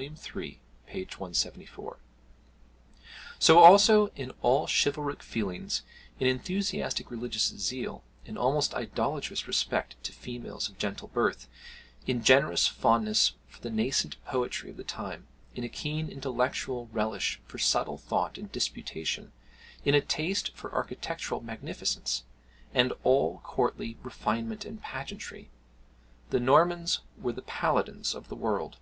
iii. p. 174.] So also in all chivalric feelings, in enthusiastic religious zeal, in almost idolatrous respect to females of gentle birth, in generous fondness for the nascent poetry of the time, in a keen intellectual relish for subtle thought and disputation, in a taste for architectural magnificence, and all courtly refinement and pageantry, the Normans were the Paladins of the world.